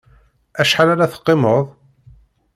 Acḥal ara teqqimeḍ?